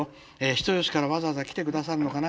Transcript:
人吉からわざわざ来て下さるのかな？